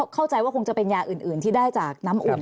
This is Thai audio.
เข้าใจว่าคงจะเป็นยาอื่นที่ได้จากน้ำอุ่น